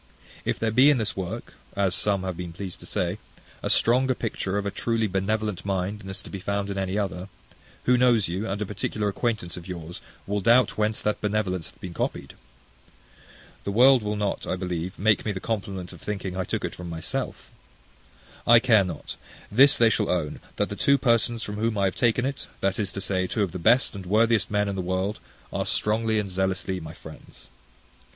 If there be in this work, as some have been pleased to say, a stronger picture of a truly benevolent mind than is to be found in any other, who that knows you, and a particular acquaintance of yours, will doubt whence that benevolence hath been copied? The world will not, I believe, make me the compliment of thinking I took it from myself. I care not: this they shall own, that the two persons from whom I have taken it, that is to say, two of the best and worthiest men in the world, are strongly and zealously my friends.